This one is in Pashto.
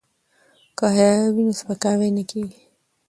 که حیا وي نو سپکاوی نه کیږي.